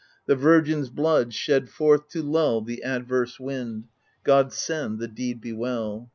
The virgin^s blood, shed forth to lull the adverse wind God send the deed be well!